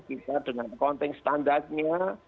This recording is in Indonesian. kita dengan accounting standardnya